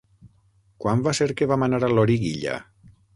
Quan va ser que vam anar a Loriguilla?